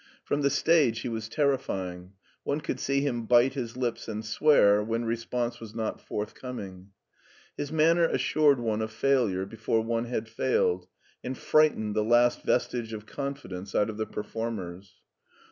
From the stage he was terrifying; one could see him bite his lips and swear when response was not forthcom ing. Etis manner assured one of failure before one had failed, and frightened the last vestige of confidence out of the performers.